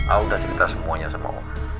aku udah cerita semuanya sama om